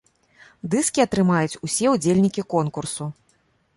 Дыскі атрымаюць усе удзельнікі конкурсу!